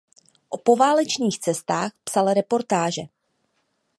O poválečných cestách psal reportáže.